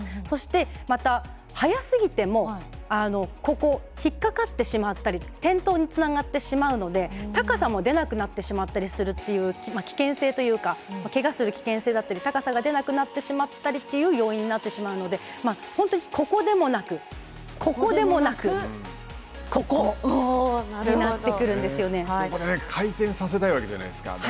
そしてまた早すぎてもここ、引っかかってしまったり転倒につながってしまうので高さも出なくなってしまったりするという危険性というかけがする危険性だったり高さが出なくなってしまったりという要因になってしまうので本当にここでもなくここでもなく、ここに回転させたいわけじゃないですか。